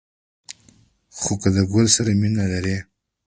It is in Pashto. خو که د گل سره مینه لرئ